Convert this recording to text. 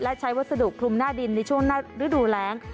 และใช้วัสดุคลุมหน้าดินในช่วงฤดูแรง